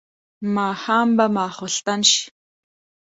ماښام به ماخستن شي.